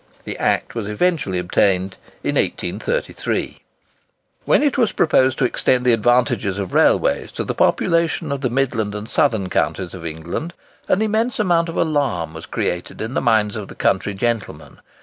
The act was eventually obtained in 1833. When it was proposed to extend the advantages of railways to the population of the midland and southern counties of England, an immense amount of alarm was created in the minds of the country gentlemen.